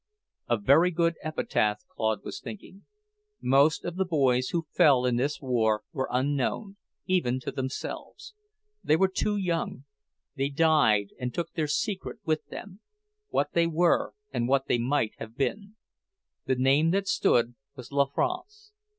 A very good epitaph, Claude was thinking. Most of the boys who fell in this war were unknown, even to themselves. They were too young. They died and took their secret with them, what they were and what they might have been. The name that stood was La France.